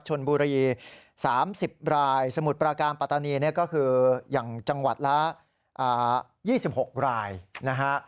ชนบุรี๓๐รายสมุทรปราการปัตตานีเนี่ยก็คืออย่างจังหวัดละ๒๖รายนะฮะ